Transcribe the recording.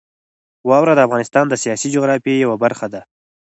واوره د افغانستان د سیاسي جغرافیې یوه برخه ده.